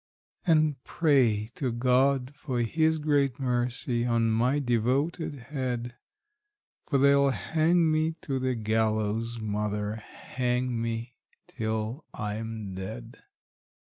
_ And pray to God for his great mercy on my devoted head; For they'll hang me to the gallows, mother hang me till I'm dead!